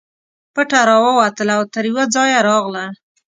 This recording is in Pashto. پټه راووتله او تر یوه ځایه راغله.